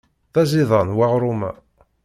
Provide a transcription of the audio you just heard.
D aẓidan weɣrum-a.